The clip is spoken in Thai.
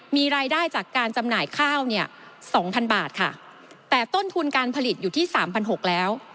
มีรายได้จากการจำหน่ายข้าวเนี่ยสองพันบาทค่ะแต่ต้นทุนการผลิตอยู่ที่สามพันหกแล้ว